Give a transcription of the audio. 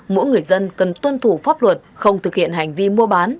mỗi người dân cần tuân thủ pháp luật không thực hiện hành vi mua bán